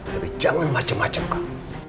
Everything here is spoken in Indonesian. tapi jangan macem macem kamu